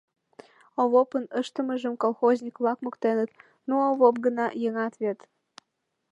Овопын ыштымыжым колхозник-влак моктеныт: «Ну, Овоп гына, еҥат вет!